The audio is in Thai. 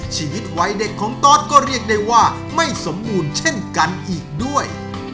ชีวิตวัยเด็กของตอสก็เรียกได้ว่าไม่สมบูรณ์เช่นกันอีกด้วย